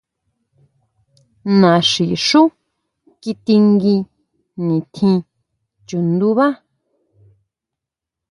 Naxí xú kitingui nitjín chundubá.